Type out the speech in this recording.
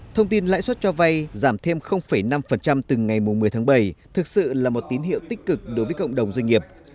thông tin lãi suất cho vay giảm thêm năm từng ngày một mươi tháng bảy thực sự là một tín hiệu tích cực đối với cộng đồng doanh nghiệp